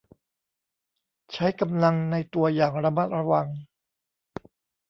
ใช้กำลังในตัวอย่างระมัดระวัง